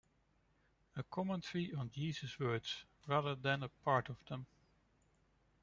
A commentary on Jesus words, rather than a part of them.